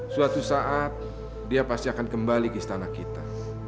suatu saat dia pasti akan kembali ke istana kita